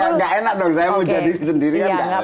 ya nggak enak dong saya mau jadi sendiri kan nggak enak